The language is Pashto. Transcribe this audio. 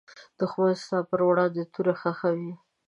دښمن ستا پر وړاندې توره خښوي